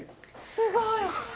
すごい！